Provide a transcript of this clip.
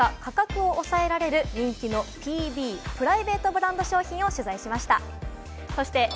４月からも値上げが続く中、価格を抑えられる人気のＰＢ＝プライベートブランド商品を取材しました。